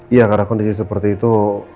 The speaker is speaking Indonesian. iya karena kondisi seperti itu